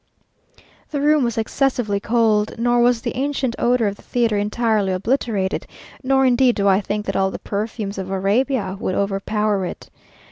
The room was excessively cold, nor was the ancient odour of the theatre entirely obliterated; nor indeed do I think that all the perfumes of Arabia would overpower it.